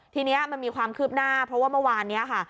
ทีนี้มันมีความคืบหน้าเพราะว่าเมื่อวานนี้ค่ะ